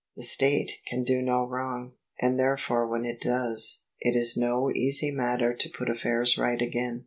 The State can do no wrong: and there fore when it does, it is no easy matter to put affairs right again.